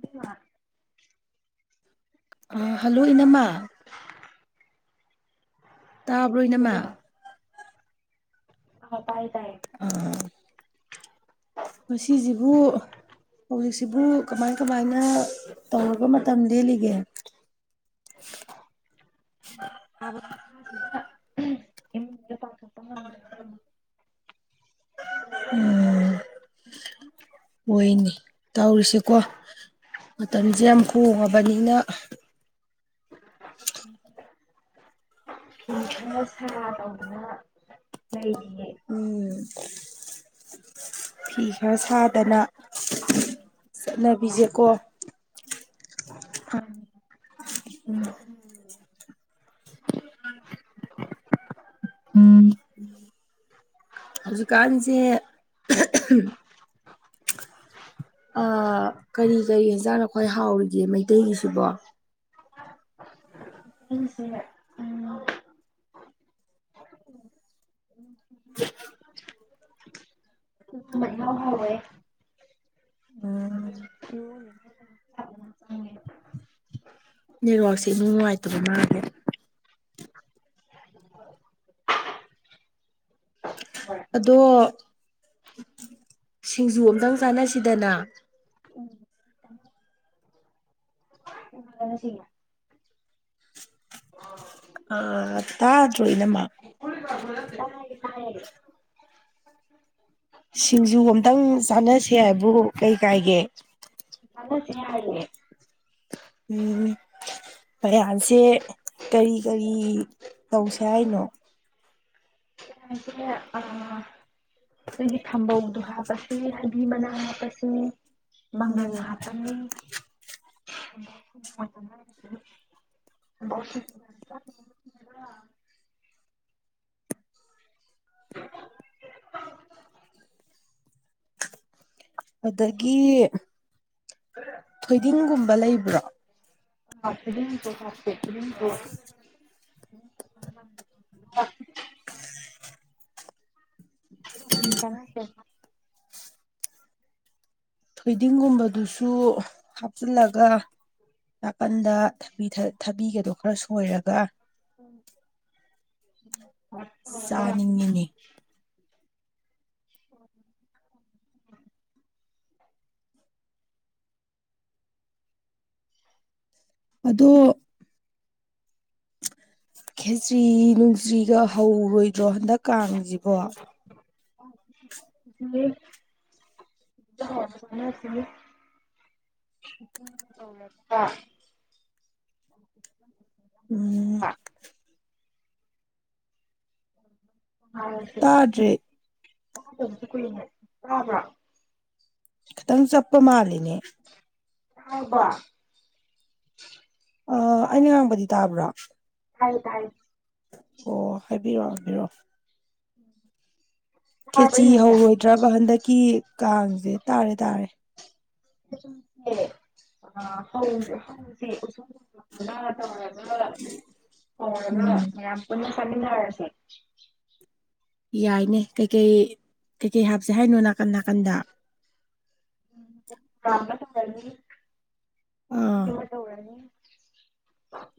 ꯗꯤ ꯋꯥ [unintelligible] ꯍꯜꯂꯣ ꯏꯅꯥꯝꯃ ꯇꯥꯕ꯭ꯔꯣ ꯏꯅꯝꯃ ꯑ ꯇꯥꯏ ꯇꯥꯏ ꯑꯥ [inaudible] ꯉꯁꯤꯁꯤꯕꯨ ꯍꯧꯖꯤꯛꯁꯤꯕꯨ ꯀꯃꯥꯏ ꯀꯃꯥꯏꯅ ꯇꯧꯔꯕ ꯃꯇꯝ ꯂꯦꯜꯂꯤꯒꯦ ꯁꯥꯏꯕ ꯈꯨꯠꯁꯥꯁꯤꯗꯥ ꯏꯃꯨꯡꯗꯩꯩ ꯃꯄꯥꯟ ꯊꯣꯛꯄꯥ ꯉꯝꯗ꯭ꯔꯦ ꯏꯕꯦꯝꯃꯥ ꯎꯝ ꯍꯣꯏꯅꯤ ꯇꯧꯔꯤꯁꯤꯀꯣ ꯃꯇꯝꯁꯦ ꯌꯥꯝ ꯍꯣꯡꯉꯕꯅꯤꯅ ꯑ [unintelligible] ꯐꯤ ꯈꯔ ꯁꯥ ꯇꯧꯗꯨꯅ ꯂꯩꯔꯤꯌꯦ ꯎꯝ ꯐꯤ ꯈꯔ ꯁꯥꯗꯅ ꯆꯠꯅꯕꯤꯁꯦꯀꯣ ꯑꯝ ꯎꯝꯝ ꯎꯝ [inaudible] ꯍꯧꯖꯤꯛꯀꯥꯟꯁꯦ ꯑ ꯀꯔꯤ ꯀꯔꯤ ꯍꯟꯖꯥꯡꯅ ꯈꯋꯥꯏ ꯍꯥꯎꯔꯤꯒꯦ ꯃꯩꯇꯩꯒꯤꯁꯤꯕꯣ ꯎꯁꯤꯂ [unintelligible] ꯃꯥ ꯍꯣꯏ [unintelligible] ꯎꯝ ꯏꯔꯣꯜꯂꯤꯉꯩ ꯄꯨꯂꯞ ꯆꯥꯛꯂꯥꯝ ꯆꯪꯉꯦ ꯅꯦꯠꯋꯥꯛꯁꯦ ꯅꯨꯡꯉꯥꯏꯇꯕ ꯃꯥꯜꯂꯦ [inaudible] ꯇꯧꯔꯦ ꯑꯗꯣ ꯁꯤꯡꯖꯨ ꯑꯝꯇꯪ ꯆꯥꯟꯅꯁꯤꯗꯅ ꯎꯝ ꯆꯥꯟꯅꯁꯤ ꯌꯥꯏ ꯑꯥ ꯇꯥꯗ꯭ꯔꯣ ꯢꯅꯝꯃꯥ ꯇꯥꯏꯌꯦ ꯇꯥꯏꯌꯦ ꯁꯤꯡꯖꯨ ꯑꯝꯇꯪ ꯆꯥꯅꯁꯦ ꯍꯥꯏꯕꯨ ꯀꯩ ꯀꯥꯏꯒꯦ ꯆꯥꯅꯥꯁꯦ ꯌꯥꯏꯌꯦ ꯎꯝ ꯃꯌꯥꯟꯁꯦ ꯀꯔꯤ ꯀꯔꯤ ꯇꯧꯁꯦ ꯍꯥꯏꯅꯣ ꯑ [unintelligible] ꯅꯪꯒꯤ ꯊꯝꯕꯧꯗꯣ ꯍꯥꯞꯄꯁꯦ ꯍꯩꯕꯤ ꯃꯅꯥ ꯍꯥꯞꯄꯁꯦ ꯃꯪꯒꯟ ꯎꯝ ꯍꯞꯄꯅꯤ ꯊꯝꯕꯧ [inaudible] [unintelligible] [unintelligible] ꯑꯗꯒꯤ ꯊꯣꯏꯗꯤꯡꯒꯨꯝꯕ ꯂꯩꯕ꯭ꯔꯣ [inaudible] [unintelligible] [unintelligible] ꯀꯅꯥꯠꯇꯦ [unintelligible] ꯊꯣꯏꯗꯤꯡꯒꯨꯝꯕꯗꯨꯁꯨ ꯍꯥꯞꯆꯤꯜꯂꯒ__ ꯅꯥꯀꯟꯗ ꯊꯥꯕꯤꯒꯗꯣ ꯈꯔ ꯁꯣꯏꯔꯒ ꯎꯝ [inaudible] ꯆꯥꯅꯤꯡꯉꯤꯅꯦ ꯑꯗꯣ ꯈꯦꯇ꯭ꯔꯤ ꯅꯨꯡꯁꯤ꯭ꯔꯤꯒ ꯍꯧꯔꯣꯏꯗ꯭ꯔꯣ ꯍꯟꯗꯛ ꯀꯥꯡꯁꯤꯕꯣ꯫ [inaudible] [inaudible] [inaudible] [inaudible] ꯎꯝ꯫ [inaudible] ꯇꯥꯗ꯭ꯔꯦ ꯁꯨ ꯀꯨꯏꯅ ꯇꯥꯕ꯭ꯔꯥ꯫ ꯈꯤꯇꯪ ꯆꯞꯄ ꯃꯥꯜꯂꯤꯅꯦ꯫ [inaudible] ꯑ ꯑꯩꯅ ꯉꯥꯡꯕꯗꯤ ꯇꯥꯕ꯭ꯔꯥ꯫ ꯇꯥꯏ ꯇꯥꯏ꯫ [unintelligible] [inaudible] ꯈꯦꯆꯤ ꯑꯩꯅ ꯍꯥꯏꯖꯦ ꯍꯧꯔꯣꯏꯗ꯭ꯔꯕ ꯍꯟꯗꯛꯀꯤ ꯀꯥꯡꯁꯦ ꯇꯥꯔꯦ ꯇꯥꯔꯦ꯫ [inaudible] ꯎꯝ [inaudible] ꯌꯥꯏꯅꯦ ꯀꯩꯀꯩ ꯀꯩꯀꯩ ꯍꯥꯞꯁꯦ ꯍꯥꯏꯅꯣ ꯅꯥꯀꯟ ꯅꯥꯀꯟꯗ꯫ ꯑꯥ [inaudible]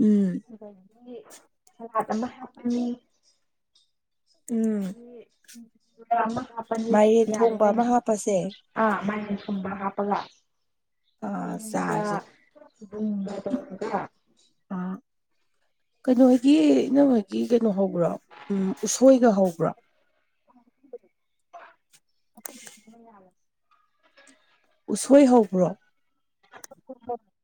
ꯎꯝ ꯑꯗꯒꯤꯗꯤ ꯁꯂꯥꯠ ꯑꯃ ꯍꯥꯞꯄꯅꯤ꯫ ꯎꯝ ꯑꯗꯒꯤ ꯁꯤꯡꯖꯨꯔꯥ ꯑꯃ ꯍꯥꯞꯄꯅꯤ ꯃꯥꯏꯔꯦꯟ ꯌꯥꯔꯦ ꯊꯣꯡꯕ ꯑꯃ ꯀꯩꯅꯣ꯫ [inaudible] ꯍꯥꯞꯄꯁꯦ ꯆꯥꯔꯁꯦ [inaudible] [unintelligible] ꯀꯩꯅꯣ ꯍꫭꯏꯒꯤ ꯏꯅꯃꯍꯣꯏꯒꯤ ꯀꯩꯅꯣ ꯍꯧꯕ꯭ꯔꯥ ꯎꯝ ꯎꯁꯣꯏꯒ ꯍꯧꯕ꯭ꯔꫭ꯫ [inaudible] ꯎꯁꯣꯏ ꯍꯧꯕ꯭ꯔꯣ꯫ [inaudible]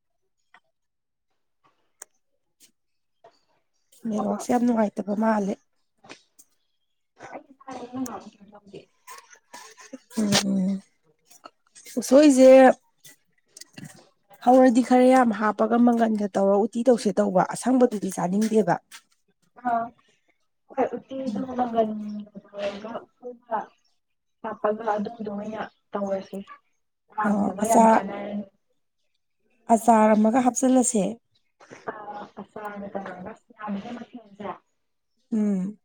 ꯅꯦꯠꯋꯥꯛꯁꯦ ꯌꯥꯝ ꯅꯨꯡꯉꯥꯏꯇꯕ ꯃꯥꯜꯂꯦ [inaudible] [inaudible] ꯎꯝ ꯎꯁꯣꯏꯖꯦ ꯍꯧꯔꯗꯤ ꯈꯔ ꯌꯥꯝ ꯍꯥꯞꯄꯒ ꯃꯪꯒꯟꯒ ꯇꯧꯔꯒ ꯎꯇꯤ ꯇꯧꯁꯦ ꯇꯧꯕ ꯑꯁꯪꯕꯗꯨꯗꯤ ꯆꯥꯅꯤꯡꯗꯦꯕ꯫ [inaudible] ꯍꯥꯞꯄꯒ ꯑꯗꯨꯝꯕꯗꯣ ꯑꯣꯏꯅ ꯇꯧꯔꯁꯦ ꯑ ꯄꯥꯝꯗꯕ ꯌꯥꯝ ꯑꯆꯥ ꯆꯥꯟꯅꯔꯅꯤ꯫ ꯑꯆꯥꯔ ꯑꯃꯒ ꯍꯥꯞꯆꯤꯜꯂꯁꯦ꯫ [inaudible] ꯎꯝ꯫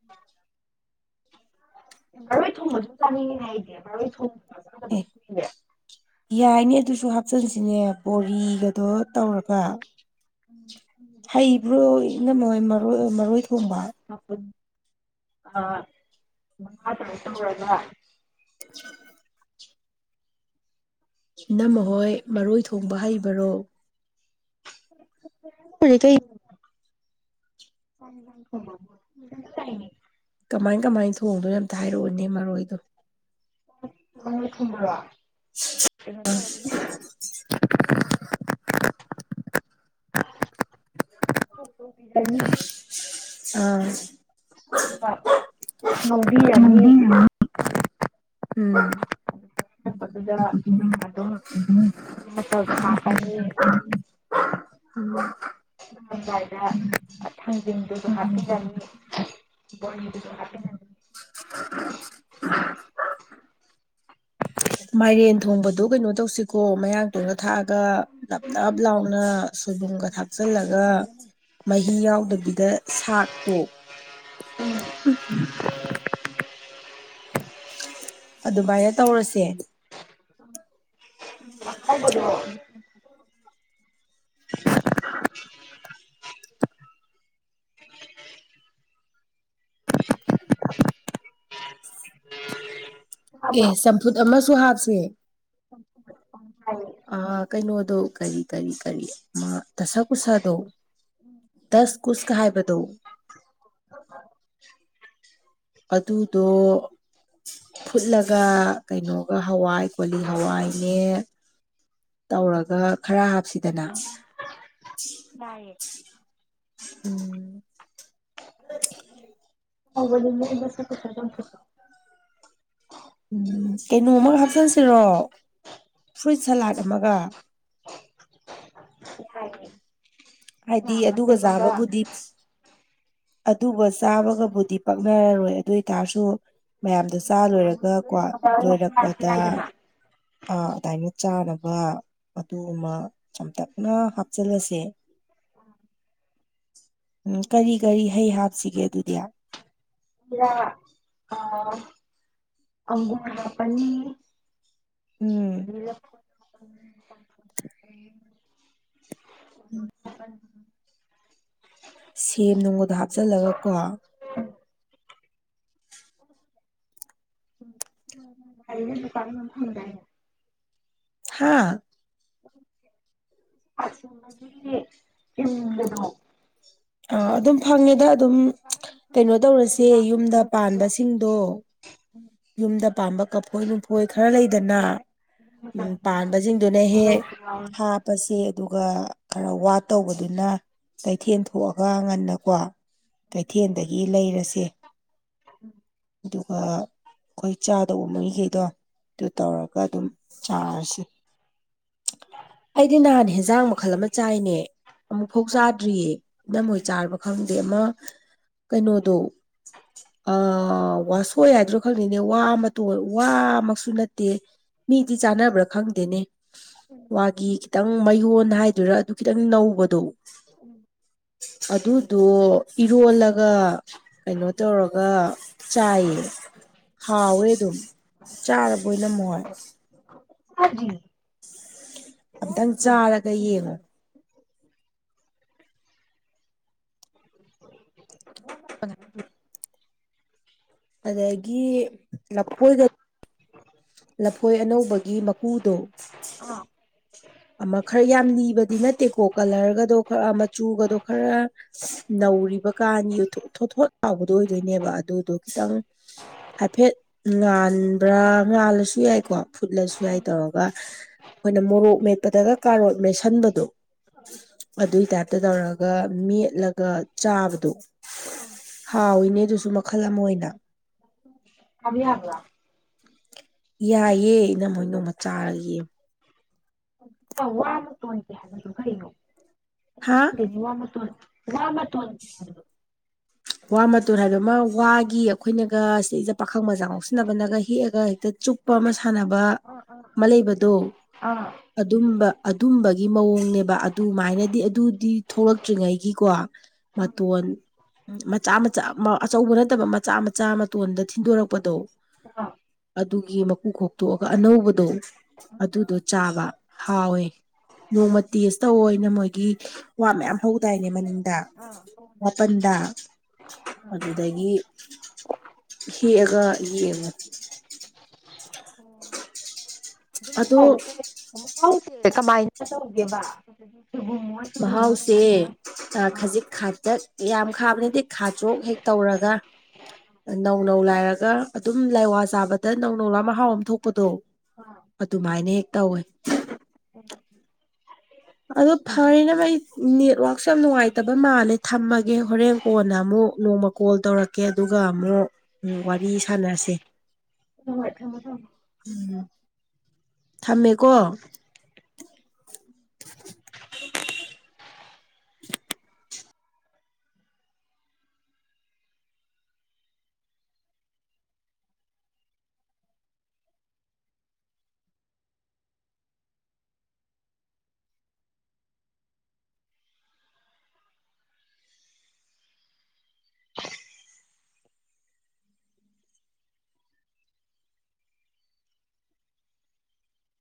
ꯊꯔꫭꯏ ꯊꯣꯡꯕꯁꯨ ꯆꯥꯅꯤꯡꯏꯅꯦ ꯑꯩꯗꯤ ꯊꯔꫭꯏ ꯑꯦ ꯊꫭꯡ [inaudible] ꯌꯥꯏꯅꯦ ꯑꯗꯨꯁꯨ ꯍꯥꯞꯆꯟꯁꯤꯅꯦ ꯀꫭꯕꯤꯒ ꯇꯩꯔ ꯇꯧꯔꯒ꯫ ꯍꯩꯕ꯭ꯔꯣ ꯏꯅꯝꯃꯍꯣꯏ ꯃꯔꯣꯏ ꯃꯔꯣꯏ ꯊꯣꯡꯕ [inaudible] [inaudible] [inaudible] ꯏꯅꯝꯃ ꯍꯣꯏ ꯃꯔꯣꯏ ꯊꯣꯡꯕ ꯍꯩꯕꯔꯣ꯫ ꯀꯨꯂꯤꯊꯣꯏꯞ ꯎꯝꯃꯥꯟ ꯇꯥꯢꯌꯦꯅꯦ ꯀꯃꯥꯢ ꯀꯃꯥꯢ ꯊꯣꯡꯗꯣꯢꯅꯣ ꯊꯣꯡꯗꯨꯢꯅꯣ ꯑꯝꯇ ꯍꯥꯏꯔꯛꯑꯣꯅꯦ ꯃꯔꯣꯏꯗꯣ ꯃꯔꯣꯢ ꯊꯣꯡꯕꯔꯣ [unintelligible] ꯀꯩꯅꯣ ꯇꯧꯔꯦ ꯊꯣꯛ ꯇꯔꯣꯛꯄꯤ ꯇꯅꯤ ꯑꯥ ꯃꯥꯠ ꯅꯧꯕꯤꯔꯅꯤ ꯎꯝ ꯇꯠꯄꯗꯨꯗ ꯑꯗꯨꯝ ꯃꯆꯜꯗꯣ ꯍꯥꯞꯄꯅꯤ ꯎꯝ ꯉꯝꯗꯥꯏꯗ ꯊꯥꯡꯖꯤꯡꯗꯨꯖꯨ ꯍꯥꯞꯄꯤꯔꯅꯤ ꯕꯣꯔꯤꯗꯨꯁꯨ ꯍꯥꯞꯄꯤꯔꯅꯤ ꯑꯗꯨ ꯃꯥꯢꯔꯦꯟ ꯊꯣꯡꯕꯗꯣ ꯀꯩꯅꯣ ꯇꯧꯁꯤꯀꯣ ꯃꯌꯥꯡꯇꯣꯟꯒ ꯊꯥꯛꯑꯒ ꯅꯞ ꯅꯞ ꯂꯥꯎꯅ ꯁꯣꯢꯕꯨꯝꯒ ꯊꯥꯛꯆꯤꯜꯂꯒ ꯃꯩ ꯏ ꯌꯥꯎꯗꯕꯤꯗ ꯁꯥꯛꯇꯣ ꯑꯗꯨꯃꯥꯏꯅ ꯇꯧꯔꯁꯦ ꯍꯧꯒꯠꯂꯣ ꯇꯥꯕ꯭ꯔꯣ ꯑꯦ ꯆꯝꯐꯨꯠ ꯑꯃꯁꯨ ꯍꯥꯞꯁꯦ ꯐꯧ ꯑ ꯀꯩꯅꯣꯗꯣ ꯀꯔꯤ ꯀꯔꯤ ꯀꯔꯤ ꯃꯥ ꯇꯁ ꯀꯨꯁꯗꯣ ꯇꯁ ꯀꯨꯁꯀ ꯍꯥꯏꯕꯗꯣ [unintelligible] ꯑꯗꯨꯗꯣ ꯐꯨꯠꯂꯒ ꯀꯩꯅꯣꯒ ꯍꯋꯥꯏ ꯀꯣꯂꯤ ꯍꯋꯥꯏꯅꯦ ꯇꯧꯔꯒ ꯈꯔ ꯍꯥꯞꯁꯤꯗꯅ ꯌꯥꯢꯌꯦ ꯎꯝ ꯍꯧꯕꯗꯒꯤ ꯑꯩ ꯃꯁꯛꯇꯨ ꯈꯪꯍꯧꯗꯦ ꯎꯝ ꯀꯩꯅꯣ ꯑꯃꯒ ꯍꯥꯞꯆꯟꯁꯤꯔꯣ ꯐ꯭ꯔꯨꯏꯠ ꯁꯂꯥꯠ ꯑꯃꯒ ꯍꯥꯏ ꯍꯥꯏꯗꯤ ꯑꯗꯨꯒ ꯆꯥꯕꯕꯨꯗꯤ ꯑꯗꯨꯒ ꯆꯥꯕꯒꯕꯨꯗꯤ ꯄꯛꯅꯔꯔꯣꯢ ꯑꯗꯨꯢ ꯇꯥꯔꯁꯨ ꯃꯌꯥꯝꯗ ꯆꯥ ꯂꯣꯢꯔ ꯒꯀꯣ ꯂꯣꯏꯔꯛꯄꯗ ꯌꯥꯏꯗꯅ ꯑ ꯑꯗꯥꯏꯅ ꯆꯥꯅꯕ ꯑꯗꯨ ꯑꯃ ꯆꯝꯇꯛꯅ ꯍꯥꯞꯆꯜꯂꯁꯦ ꯎꯝ ꯀꯔꯤ ꯀꯔꯤ ꯍꯩ ꯍꯥꯞꯁꯤꯒꯦ ꯑꯗꯨꯗꯤ ꯈꯨꯔꯥ ꯑ ꯑꯪꯒꯨꯔ ꯍꯥꯞꯄꯅꯤ ꯎꯝ ꯂꯞꯐꯨ [unintelligible] ꯎꯝ ꯁꯦꯝ ꯅꯣꯡꯃꯒ ꯍꯥꯞꯆꯜꯂꯒ ꯀꯣ ꯎꯝ ꯃꯥꯅꯦ ꯍꯥꯢꯗ꯭ꯔꯥ ꯍꯩꯅꯦ ꯅꯨꯄꯥꯡꯅꯪ ꯍꯪꯉꯨꯗꯥꯢꯅꯦ ꯍꯥꯥ ꯑꯁ ꯃꯁꯤꯒꯤ ꯏꯟꯒꯅꯣ ꯑ ꯑꯗꯨꯝ ꯐꯪꯉꯦꯗ ꯑꯗꯨꯝ ꯗꯨꯀꯥꯟꯗ ꯑꯗꯨꯝ ꯀꯩꯅꯣ ꯐꯪꯕꯅꯤꯅ ꯀꯩꯁꯨ ꯇꯧꯔꯁꯦ ꯂꯥꯞꯅ ꯌꯨꯝꯗ ꯆꯠꯅꯗ꯭ꯔꯁꯨ ꯌꯥꯝ ꯄꯥꯟꯕꯁꯤꯡꯗꯣ ꯌꯨꯝꯗ ꯄꯥꯝꯕ ꯀꯐꯣꯏ ꯅꯨꯡꯐꯣꯏ ꯈꯔ ꯂꯩꯗꯅ ꯍꯣꯏ ꯎꯝ ꯃꯇꯝꯗ ꯄꯥꯟꯕꯁꯤꯡꯗꯨꯅ ꯍꯦꯛ ꯂꯧꯁꯨ ꯌꯥꯎꯔꯅꯤ ꯍꯥꯞ ꯄꯁꯦ ꯑꯗꯨꯒ ꯈꯔ ꯋꯥꯠꯇꯧꯕꯗꯨꯅ ꯀꯩꯊꯦꯟ ꯊꯣꯛꯑꯒ ꯉꯟꯅꯀꯣ ꯀꯩꯊꯦꯟꯗꯒꯤ ꯂꯩꯔꯁꯦ ꯎꯝ ꯑꯗꯨꯒ ꯑꯩꯈꯣꯏ ꯆꯥꯗꯧꯕ ꯃꯩꯈꯩꯗꯣ ꯑꯗꯨ ꯇꯧꯔꯒ ꯑꯗꯨꯝ ꯆꯥꯔꯁꯤ ꯑꯩꯗꯤ ꯅꯍꯥꯟ ꯍꯥꯏꯕ ꯍꯦꯟꯖꯥꯡ ꯃꯈꯜ ꯑꯃ ꯆꯥꯏꯅꯦ ꯑꯃꯨꯛ ꯐꯧ ꯆꯥꯗ꯭ꯔꯤꯌꯦ ꯏꯅꯝꯃꯣꯏ ꯆꯥꯔꯕ ꯈꯪꯗꯦ ꯑꯃ ꯀꯩꯅꯣꯗꯣ ꯑ ꯋꯥꯁꯣꯏ ꯍꯥꯏꯗ꯭ꯔꯣ ꯈꯪꯗꯦꯅꯦ ꯋꯥ ꯃꯇꯣꯟ ꯋꯥꯃꯛꯁꯨ ꯅꯠꯇꯦ ꯃꯤꯗꯤ ꯆꯥꯟꯅꯕ꯭ꯔꯥ ꯈꯪꯗꯦꯅꯦ ꯎꯝ ꯋꯥꯒꯤ ꯈꯤꯇꯪ ꯃꯌꯣꯟ ꯍꯥꯏꯗꯨꯏꯔꯥ ꯑꯗꯨ ꯈꯤꯇꯪ ꯅꯧꯕꯗꯣ ꯎꯝ ꯑꯗꯨꯗꯣ ꯏꯔꯣꯜꯂꯒ ꯀꯩꯅꯣ ꯇꯧꯔꯒ ꯆꯥꯏꯌꯦ ꯍꯥꯎꯋꯦ ꯑꯗꯨꯝ ꯆꯥꯔꯕꯣ ꯏꯅꯝꯃ ꯍꯣꯏ ꯆꯥꯗ꯭ꯔꯤ ꯑꯝꯇꯪ ꯆꯥꯔꯒ ꯌꯦꯡꯉꯣ [unintelligible] ꯑꯗꯒꯤ ꯂꯐꯣꯏꯒ ꯂꯐꯣꯏ ꯑꯅꯧꯕꯒꯤ ꯃꯀꯨꯗꯣ ꯑꯃ ꯈꯔ ꯌꯥꯝ ꯂꯤꯕꯗꯤ ꯅꯠꯇꯦꯀꯣ ꯀꯂꯔꯒꯗꯣ ꯈꯔ ꯃꯆꯨꯒꯗꯣ ꯈꯔ ꯅꯧꯔꯤꯕꯀꯥꯟꯒꯤ ꯊꯣ ꯊꯣꯠ ꯊꯣꯠ ꯂꯥꯎꯕꯗꯣ ꯑꯣꯏꯗꯣꯏꯅꯦꯕ ꯑꯗꯨꯗꯣ ꯈꯤꯇꯪ ꯍꯥꯏꯐꯦꯠ ꯉꯥꯟꯕ꯭ꯔꯥ ꯉꯥꯜꯂꯁꯨ ꯌꯥꯏꯀꯣ ꯐꯨꯠꯂꯁꯨ ꯌꯥꯏ ꯇꯧꯔꯒ ꯈꯣꯏꯅ ꯃꯣꯔꯣꯛ ꯃꯦꯠꯄꯗꯒ ꯀꯥꯔꯣꯠ ꯃꯦꯠꯁꯟꯕꯗꯣ ꯑꯗꯨꯏ ꯇꯥꯏꯞꯇ ꯇꯧꯔꯒ ꯃꯦꯠꯂꯒ ꯆꯥꯕꯗꯣ ꯍꯥꯎꯋꯤꯅꯦ ꯑꯗꯨꯁꯨ ꯃꯈꯜ ꯑꯃ ꯑꯣꯏꯅ [unintelligible] ꯌꯥꯏꯌꯦ ꯏꯅꯝꯃ ꯍꯣꯏ ꯅꯣꯡꯃ ꯆꯥꯔ ꯌꯦꯡꯉꯣ [unintelligible] ꯀꯩꯅꯣ ꯍꯥꯥ [unintelligible] ꯋꯥ ꯃꯇꯣꯟꯒꯤ ꯍꯥꯏꯕꯗꯣ ꯋꯥ ꯃꯇꯣꯟ ꯍꯥꯏꯕ ꯑꯃ ꯋꯥꯒꯤ ꯑꯈꯣꯏꯅꯒ ꯁꯩꯖꯤꯗ ꯄꯥꯈꯪ ꯃꯆꯥ ꯉꯥꯎꯁꯤꯟꯅꯕꯅꯒ ꯍꯦꯛꯑꯒ ꯍꯦꯛꯇ ꯆꯨꯞ ꯄ ꯑꯃ ꯁꯥꯟꯅꯕ ꯑꯥ ꯑꯃ ꯂꯩꯕꯗꯣ ꯑꯥ ꯑꯗꯨꯝꯕ ꯑꯗꯨꯝꯕꯒꯤ ꯃꯑꯣꯡꯅꯦꯕ ꯑꯗꯨꯃꯥꯏꯅꯗꯤ ꯑꯗꯨꯗꯤ ꯊꯣꯛꯂꯛꯇ꯭ꯔꯤꯉꯩꯒꯤꯀꯣ ꯃꯇꯣꯟ ꯃꯆꯥ ꯃꯆꯥ ꯃ ꯑꯆꯧꯕ ꯅꯠꯇꯕ ꯃꯆꯥ ꯃꯆꯥ ꯃꯇꯣꯟꯗ ꯊꯤꯟꯗꯣꯔꯛꯄꯗꯣ [unintelligible] ꯑꯗꯨꯒꯤ ꯃꯀꯨ ꯈꯣꯛꯇꯣꯛꯑꯒ ꯑꯅꯧꯕꯗꯣ ꯑꯗꯨꯗꯣ ꯆꯥꯕ ꯍꯥꯎꯋꯦ ꯅꯣꯡꯃ ꯇꯦꯁ ꯇꯧꯑꯣ ꯏꯅꯝꯃꯍꯣꯏꯒꯤ ꯋꯥ ꯃꯌꯥꯝ ꯍꯧꯗꯥꯏꯅꯦ ꯃꯅꯤꯡꯗ ꯋꯥꯄꯟꯗ ꯑꯗꯨꯗꯒꯤ ꯍꯦꯛꯑꯒ ꯌꯦꯡꯉꯣ ꯑꯗꯣ [unintelligible] ꯁꯦ ꯀꯃꯥꯏꯅ ꯇꯧꯒꯦꯕ [unintelligible] ꯑꯣꯏ ꯃꯍꯥꯎꯁꯦ ꯁꯨꯃꯥꯏꯅ ꯑ ꯑꯥ ꯈꯖꯤꯛ ꯈꯥꯇꯛ ꯌꯥꯝ ꯈꯥꯕꯗꯤ ꯅꯠꯇꯦ ꯈꯥꯖꯣꯛ ꯍꯦꯛ ꯇꯧꯔꯒ ꯅꯧ ꯅꯧ ꯂꯥꯏꯔꯒ ꯑꯗꯨꯝ ꯂꯥꯏꯋꯥ ꯆꯥꯕꯗ ꯅꯧ ꯅꯧ ꯂꯥꯎ ꯃꯍꯥꯎ ꯑꯝ ꯊꯣꯛꯄꯗꯣ ꯑꯗꯨꯃꯥꯏꯅ ꯍꯦꯛ ꯇꯧꯋꯦ ꯎꯝ ꯑꯗꯣ ꯐꯥꯏꯅꯃꯩ ꯅꯦꯠꯋꯥꯛꯁꯨ ꯌꯥꯝ ꯅꯨꯡꯉꯥꯏꯇꯕ ꯃꯥꯜꯂꯦ ꯊꯝꯃꯒꯦ ꯍꯣꯔꯦꯟ ꯀꯣꯟꯅ ꯑꯃꯨꯛ ꯅꯣꯡꯃ ꯀꯣꯜ ꯇꯧꯔꯛꯀꯦ ꯑꯗꯨꯒ ꯑꯃꯨꯛ ꯋꯥꯔꯤ ꯁꯥꯟꯅꯁꯦ ꯍꯣꯢ ꯍꯣꯢ ꯊꯝꯃꯣ ꯊꯝꯃꯣ [unintelligible] ꯊꯝꯃꯦꯀꯣ